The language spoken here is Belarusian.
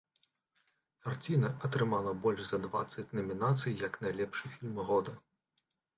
Карціна атрымала больш за дваццаць намінацый як найлепшы фільм года.